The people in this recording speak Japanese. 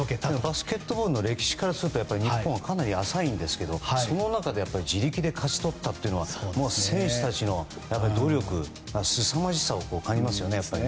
バスケットボールの歴史からすると日本はかなり浅いんですけどその中で自力で勝ち取ったというのは選手たちの努力すさまじさを感じますね。